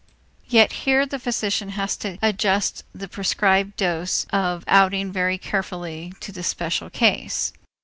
Yet here the physician has to adjust the prescribed dose of outing very carefully to the special case.